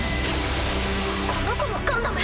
この子もガンダム？